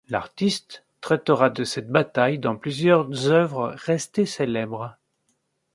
L'artiste traitera de cette bataille dans plusieurs œuvres restées célèbres.